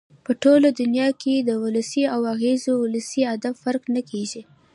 په ټوله دونیا کښي د ولسي او غیر اولسي ادب فرق نه کېږي.